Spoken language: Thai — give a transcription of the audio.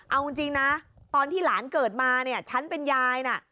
เอาจริงนะตอนที่หลานเกิดมาเนี่ยฉันเป็นยายน่ะ